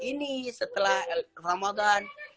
ini setelah ramadhan